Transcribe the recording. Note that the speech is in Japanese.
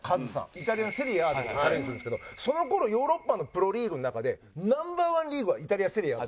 イタリアセリエＡでチャレンジするんですけどその頃ヨーロッパのプロリーグの中でナンバー１リーグはイタリアセリエＡ。